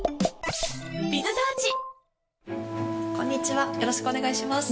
こんにちはよろしくお願いします。